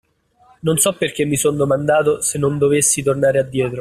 Non so perché mi son domandato se non dovessi tornare a dietro.